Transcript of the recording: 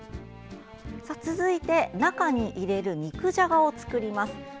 続いて中に入れる肉じゃがを作ります。